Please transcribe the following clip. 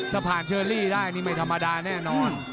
ถ้าผ่านเชอรี่ได้นี่ไม่ธรรมดาแน่นอน